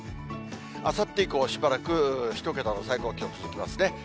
あさって以降はしばらく１桁の最高気温、続きますね。